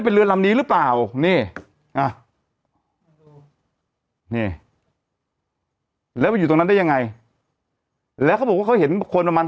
เปล่านี่อ่ะนี่แล้วว่าอยู่ตรงนั้นได้ยังไงแล้วเขาบอกว่าเขาเห็นคนประมาณ